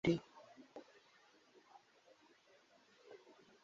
ndizera ko ibyo bitazongera ukundi